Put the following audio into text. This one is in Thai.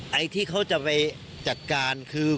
ไอ้ที่เขาจะไปจัดการคือ